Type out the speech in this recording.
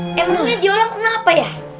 emangnya dia orang apa ya